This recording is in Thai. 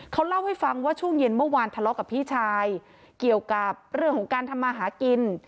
เขาเล่าให้ฟังว่าช่วงเย็นเมื่อวานทะเลาะกับพี่ชายเกี่ยวกับเรื่องของการทำมาหากิน